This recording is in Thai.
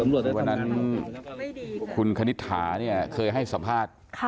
ในวันนั้นคุณคณิตถาเนี่ยเคยให้สัมภาษณ์